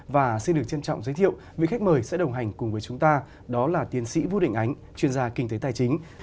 và xin được trân trọng giới thiệu vị khách mời sẽ đồng hành cùng với chúng ta đó là tiến sĩ vũ đình ánh chuyên gia kinh tế tài chính